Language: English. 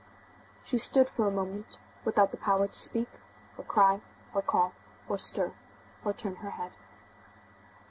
She stood for a moment without the power to speak, or cry, or call, or stir, or turn her head.